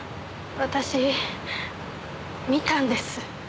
私見たんです。